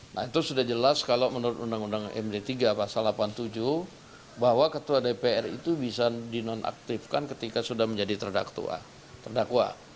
nah itu sudah jelas kalau menurut undang undang md tiga pasal delapan puluh tujuh bahwa ketua dpr itu bisa dinonaktifkan ketika sudah menjadi terdakwa